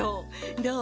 どう？